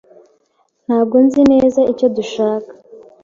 Ntabwo nzi neza icyo dushaka.